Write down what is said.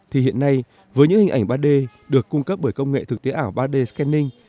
thì hiện nay với những hình ảnh ba d được cung cấp bởi công nghệ thực tế ảo ba d scanning